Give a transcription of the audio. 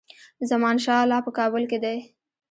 زمانشاه لا په کابل کې دی.